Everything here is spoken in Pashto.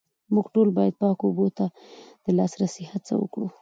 موږ ټول باید پاکو اوبو ته د لاسرسي هڅه وکړو